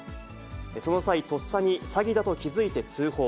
その際、とっさに詐欺だと気付いて通報。